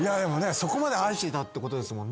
そこまで愛していたってことですもんね。